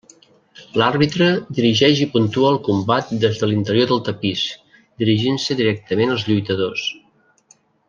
L'àrbitre dirigeix i puntua el combat des de l'interior del tapís, dirigint-se directament als lluitadors.